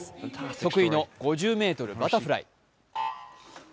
得意の５０ｍバタフライ。